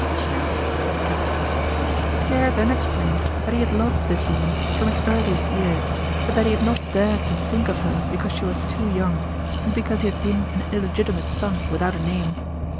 "Tiens!" said the captain. Pierre then explained that he had loved this woman from his earliest years, but that he had not dared to think of her because she was too young, and because he had been an illegitimate son without a name.